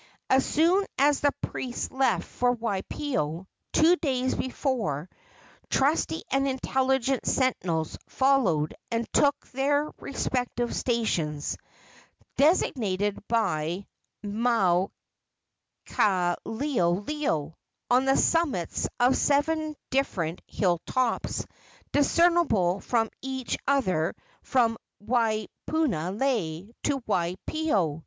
As soon as the priests left for Waipio, two days before, trusty and intelligent sentinels followed and took their respective stations, designated by Maukaleoleo, on the summits of seven different hill tops discernible from each other from Waipunalei to Waipio.